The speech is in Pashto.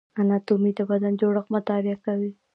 اناتومي د بدن جوړښت مطالعه کوي